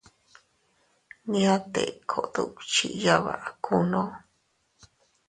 Nñia Teko dukchi yabakunno.